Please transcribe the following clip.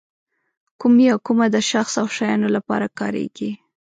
کوم یا کومه د شخص او شیانو لپاره کاریږي.